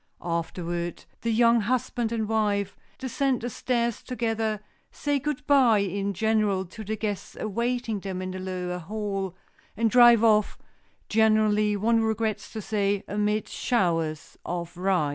Afterward the young husband and wife descend the stairs together, say good by in general to the guests awaiting them in the lower hall, and drive off, generally, one regrets to say, amid showers of rice.